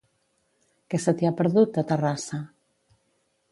Què se t'hi ha perdut, a Terrassa?